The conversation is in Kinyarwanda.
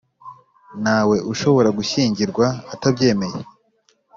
Ntawe ushobora gushyingirwa atabyemeye